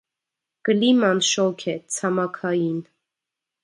Կլիման շոգ է, ցամաքային։